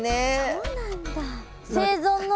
そうなんだ。